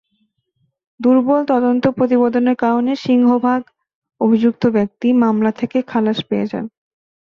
দুর্বল তদন্ত প্রতিবেদনের কারণে সিংহভাগ অভিযুক্ত ব্যক্তি মামলা থেকে খালাস পেয়ে যান।